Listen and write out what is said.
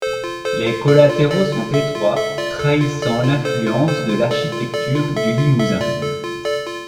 Les collatéraux sont étroits trahissant l'influence de l'architecture du Limousin.